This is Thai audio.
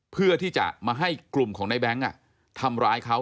เพื่อที่จะมาให้กลุ่มของในแบงค์ทำร้ายเขา